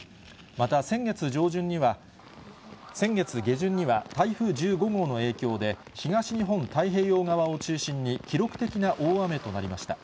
また先月下旬には、台風１５号の影響で、東日本太平洋側を中心に、記録的な大雨となりました。